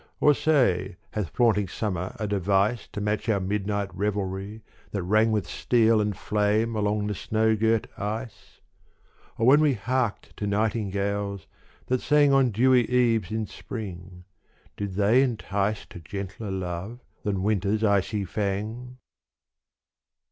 Or say hath flaunting summer a device To match our midnight revelry that rang With steel and flame along the snow girt ice ? Or when we harked to nightingales that sang On dewy eves in spring, did they entice To gentler love than winter's icy fang